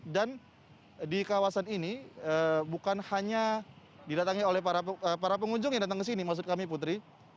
dan di kawasan ini bukan hanya didatangi oleh para pengunjung yang datang ke sini maksud kami putri